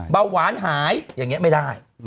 เบาหวานหายอย่างนี้ไม่ได้